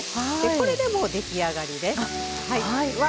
これで、もう出来上がりです。